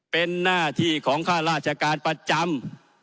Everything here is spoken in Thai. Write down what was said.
เป็นหน้าที่ของข้าราชการประจำ